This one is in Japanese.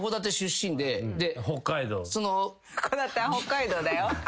函館は北海道だよ。